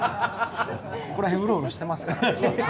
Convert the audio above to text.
ここら辺うろうろしてますから。